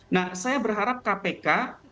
nah saya berharap kpk